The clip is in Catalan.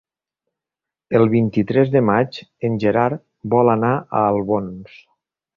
El vint-i-tres de maig en Gerard vol anar a Albons.